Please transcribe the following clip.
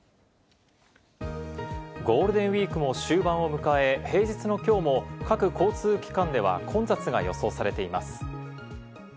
ゴールデンウイークも終盤を迎え、平日の今日も各交通機関では混雑が予想されています。